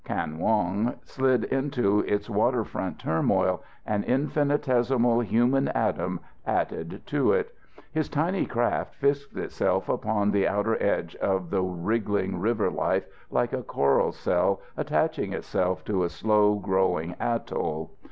Kan Wong slid into its waterfront turmoil, an infinitesimal human atom added to it. His tiny craft fixed itself upon the outer edge of the wriggling river life like a coral cell attaching itself to a slow growing atoll.